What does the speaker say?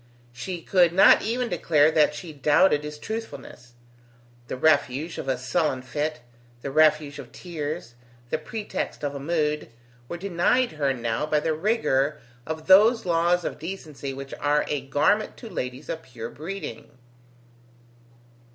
She could not even declare that she doubted his truthfulness. The refuge of a sullen fit, the refuge of tears, the pretext of a mood, were denied her now by the rigour of those laws of decency which are a garment to ladies of pure breeding.